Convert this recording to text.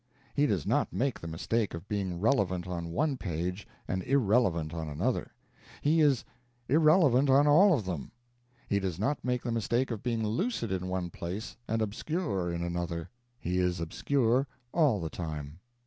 He does not make the mistake of being relevant on one page and irrelevant on another; he is irrelevant on all of them. He does not make the mistake of being lucid in one place and obscure in another; he is obscure all the time.